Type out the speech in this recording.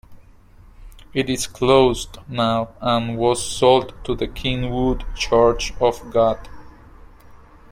It is closed now, and was sold to the Kingwood Church of God.